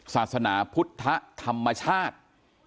ศาสนาพุทธธรรมชาติ